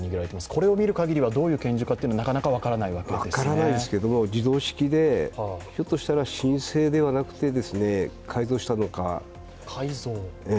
これを見る限りは、黒い拳銃というのはなかなか分からないわけですね。分からないですが、自動式でひょっとしたら改造したのか。